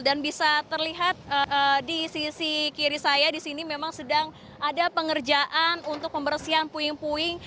bisa terlihat di sisi kiri saya di sini memang sedang ada pengerjaan untuk pembersihan puing puing